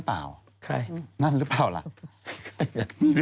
จากกระแสของละครกรุเปสันนิวาสนะฮะ